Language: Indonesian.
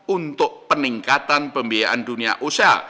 untuk peningkatan pembiayaan dunia usaha